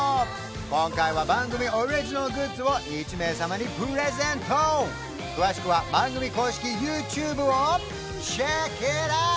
今回は番組オリジナルグッズを１名様にプレゼント詳しくは番組公式ＹｏｕＴｕｂｅをｃｈｅｃｋｉｔｏｕｔ！